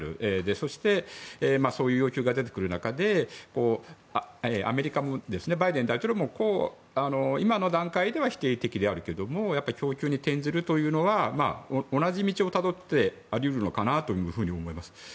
そして、そういう要求が出てくる中でアメリカのバイデン大統領も今の段階では否定的であるけれども供給に転ずるというのは同じ道をたどることもあり得るのかなと思います。